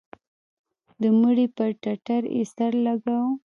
د مړي پر ټټر يې سر لگاوه.